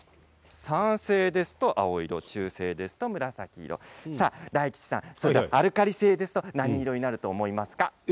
酸性は青色中性ですと紫色、大吉さん、アルカリ性ですと何色になると思いますか？